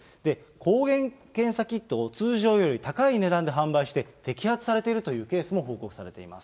抗原検査キットを通常より高い値段で販売して、摘発されているというケースも報告されています。